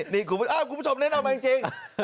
นี่คุณผู้ชมแนะนำมาจริง